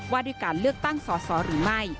ว่าด้วยการเลือกตั้งสอสอหรือไม่